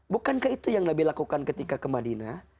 bukankah itu yang nabi lakukan ketika ke madinah